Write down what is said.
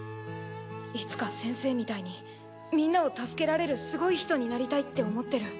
いつか先生みたいにみんなを助けられるすごい人になりたいって思ってる。